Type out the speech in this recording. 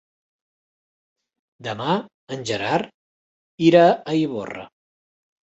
Demà en Gerard irà a Ivorra.